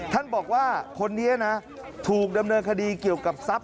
ท่านบอกว่าคนนี้นะถูกดำเนินคดีเกี่ยวกับทรัพย